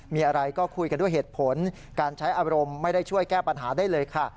มีอะไรก็คุยกันด้วยเหตุผลการใช้อารมณ์ไม่ได้ช่วยแก้ปัญหาได้เลยค่ะ